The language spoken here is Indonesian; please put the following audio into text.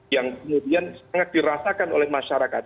yang kemudian sangat dirasakan oleh masyarakat